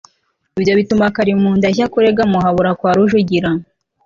ibyo bituma kalimunda ajya kurega muhabura kwa rujugira